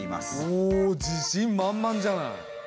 おお自信満々じゃない。